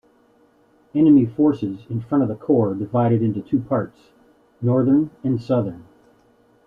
Enemy forces in front of the Korps divided into two parts: Northern and Southern.